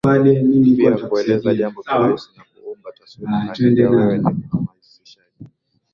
pia kueleza jambo kirahisi na kuumba taswira Akaniambia wewe ni mhamasishaji